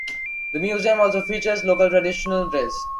The museum also features local traditional dress.